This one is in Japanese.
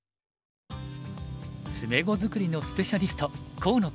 詰碁づくりのスペシャリスト河野九段。